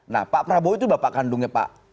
nah pak prabowo itu bapak kandungnya pak